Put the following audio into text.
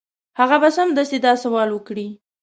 هغه به سمدستي دا سوال وکړي.